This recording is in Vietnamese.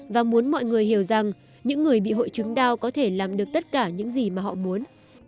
và muốn mọi người hiểu rằng những người bị hội chứng đau có thể làm được tất cả những gì mà họ muốn